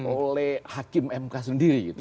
oleh hakim mk sendiri gitu